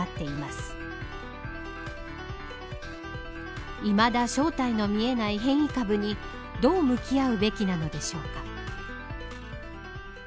いまだ正体の見えない変異株にどう向き合うべきなのでしょうか。